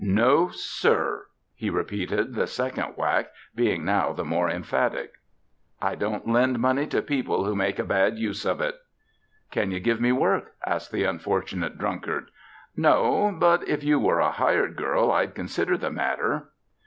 "No sir," he repeated, the second whack being now the more emphatic. "I don't lend money to people who make a bad use of it." "Can you give me work?" asked the unfortunate drunkard. "No! But if you were a hired girl, I'd consider the matter."